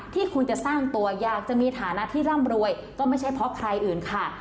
ที่คุณจะสร้างตัวอยากจะมีฐานะที่ร่ำรวยก็ไม่ใช่เพราะใครอื่นค่ะ